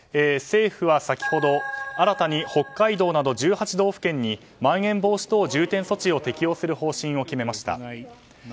政府は先ほど、新たに北海道など１８道府県にまん延防止等重点措置を適用する方針を決めました。